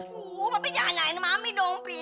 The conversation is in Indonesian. aduh papi jangan nyanyiin mami dong pi